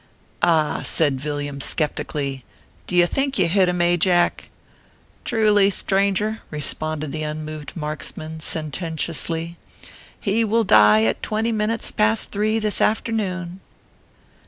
"Ah!" says Villiam, skeptically, "do you think you hit him, Ajack ?"" Truelie, stranger," responded the unmoved marksman, sententiously. " He will die at twenty minutes past three this afternoon."